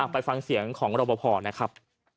ไปฟังเสียงของรบพอนะครับ